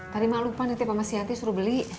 tadi mbak lupa nitip sama si yati suruh beli